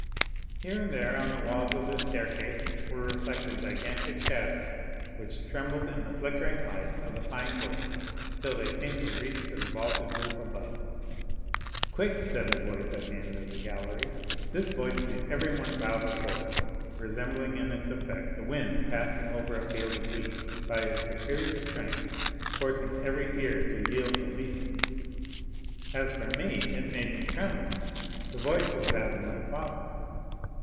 Here and there on the walls of the staircase, were reflected gigantic shadows, which trembled in the flickering light of the pine torches till they seemed to reach to the vaulted roof above. "'Quick!' said a voice at the end of the gallery. This voice made everyone bow before it, resembling in its effect the wind passing over a field of wheat, by its superior strength forcing every ear to yield obeisance. As for me, it made me tremble. This voice was that of my father.